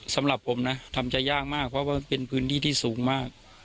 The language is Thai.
สำหรับผมนะทำใจยากมากเพราะว่ามันเป็นพื้นที่ที่สูงมาก